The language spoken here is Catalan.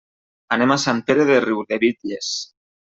Anem a Sant Pere de Riudebitlles.